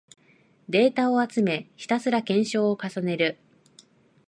データを集め、ひたすら検証を重ねる